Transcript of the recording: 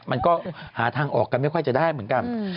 มันก็หาทางออกกันไม่ค่อยจะได้เหมือนกัน